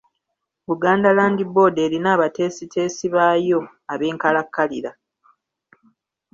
Buganda Land Board erina abateesiteesi baayo ab'enkalakkalira.